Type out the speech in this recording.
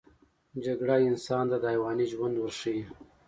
جګړه انسان ته د حیواني ژوند ورښيي